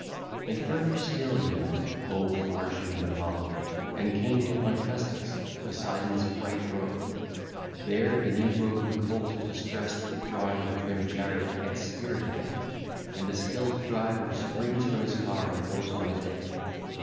(ll. 229 238) And further still you went, O far shooting Apollo, and came to Onchestus, Poseidon's bright grove: there the new broken colt distressed with drawing the trim chariot gets spirit again, and the skilled driver springs from his car and goes on his way.